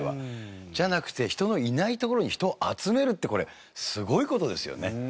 じゃなくて人のいない所に人を集めるってこれすごい事ですよね。